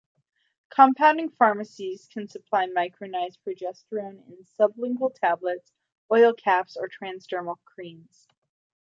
Compounding pharmacies can supply micronized progesterone in sublingual tablets, oil caps, or transdermal creams.